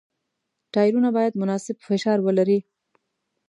ټایرونه باید مناسب فشار ولري.